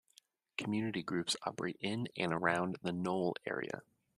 Community groups operate in and around the Knowle area.